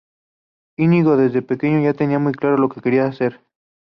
Íñigo desde pequeño ya tenía muy claro lo que quería ser.